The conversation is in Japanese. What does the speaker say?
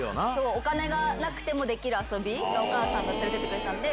お金がなくてもできる遊びでお母さんが連れてってくれたんで。